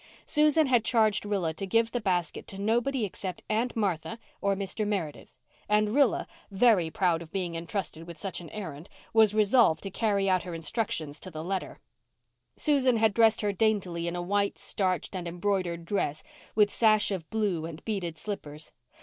Susan had charged Rilla to give the basket to nobody except Aunt Martha or Mr. Meredith, and Rilla, very proud of being entrusted with such an errand, was resolved to carry out her instructions to the letter. Susan had dressed her daintily in a white, starched, and embroidered dress, with sash of blue and beaded slippers.